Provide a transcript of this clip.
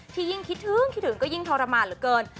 ยิ่งคิดถึงคิดถึงก็ยิ่งทรมานเหลือเกิน